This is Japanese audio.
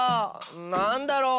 なんだろう？